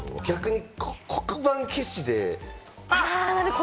逆に黒板消しで。